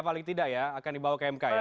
paling tidak ya akan dibawa ke mk ya